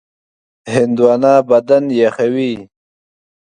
هندوانه بدن یخوي.